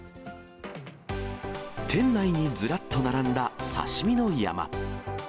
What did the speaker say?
店内にずらっと並んだ刺身の山。